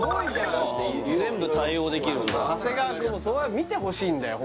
もう全部対応できるんだ長谷川君も見てほしいんだよ